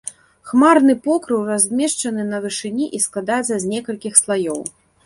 Хмарны покрыў размешчаны на вышыні і складаецца з некалькіх слаёў.